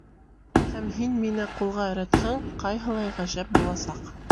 Һәм, һин мине ҡулға өйрәтһәң, ҡайһылай ғәжәп буласаҡ!